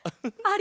あ！